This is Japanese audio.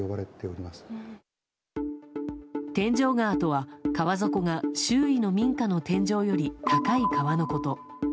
天井川とは川底が周囲の民家の天井より高い川のこと。